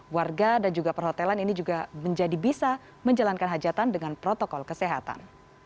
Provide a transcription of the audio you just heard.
warga dan juga perhotelan ini juga menjadi bisa menjalankan hajatan dengan protokol kesehatan